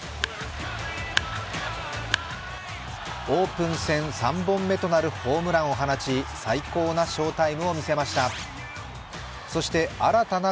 オープン戦３本目となるホームランを放ち、最高な翔タイムを見せました。